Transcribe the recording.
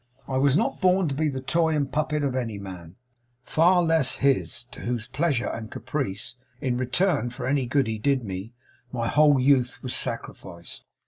I was not born to be the toy and puppet of any man, far less his; to whose pleasure and caprice, in return for any good he did me, my whole youth was sacrificed.